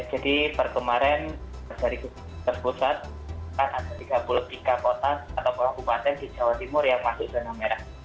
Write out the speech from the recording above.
jadi perkemarin dari keputusan ada tiga puluh tiga kota atau pembantian di jawa timur yang masuk zona merah